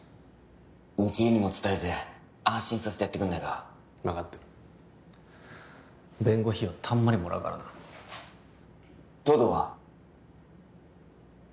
未知留にも伝えて安心させてやってくれないか分かってる弁護費はたんまりもらうからな東堂は？